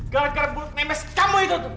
gara gara bulu nemes kamu itu